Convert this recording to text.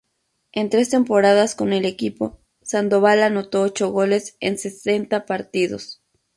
En tres temporadas con el equipo, Sandoval anotó ocho goles en sesenta partidos.